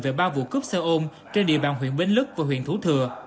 về ba vụ cướp xe ôn trên địa bàn huyện bến lức và huyện thú thừa